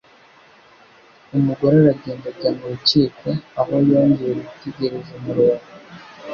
Umugore aragenda ajya mu rukiko, aho yongeye gutegereza umurongo.